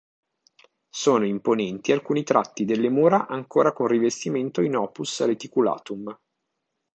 Sono imponenti alcuni tratti delle mura ancora con rivestimento in "opus reticulatum".